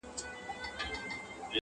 • ډاکټره خاص ده ګنې وه ازله ..